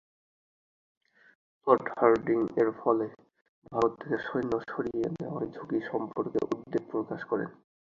Lord Hardinge এর ফলে "ভারত থেকে সৈন্য সরিয়ে নেওয়ার ঝুঁকি" সম্পর্কে উদ্বেগ প্রকাশ করেন।